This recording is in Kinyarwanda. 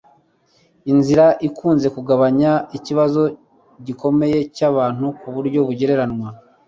inzira ikunze kugabanya ikibazo gikomeye cy'abantu ku buryo bugereranywa